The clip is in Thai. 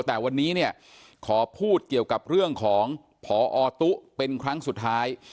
แต่วันนี้เนี่ยขอพูดเกี่ยวกับเรื่องของพอตุ๊เป็นครั้งสุดท้าย